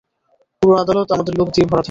পুরো আদালত আমাদের লোক দিয়ে ভরা থাকবে।